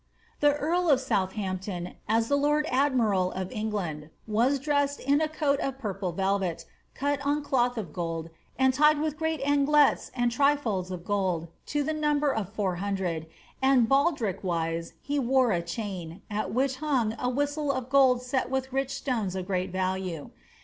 The earl of Southampton, as the lord admiral of England, w^as dressed in a coat of purple velvet, cut on cloth of gold, and tied with gieat aiglettes and trefoils of gold, to the number of four hundred, and bald" riekwist he wore a chain, at which hung a whistle of gold set with rich stones of great value.'